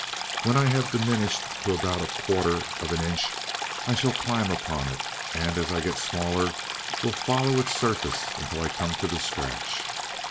When I have diminished to about a quarter of an inch, I shall climb upon it, and, as I get smaller, will follow its surface until I come to the scratch.